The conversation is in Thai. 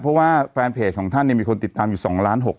เพราะว่าแฟนเพจของท่านเนี่ยมีคนติดตามอยู่๒ล้าน๖๐๐